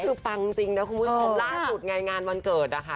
พี่เอ๊ะฟังจริงนะคุณต่อล่าสุดงานวันเกิดอะค่ะ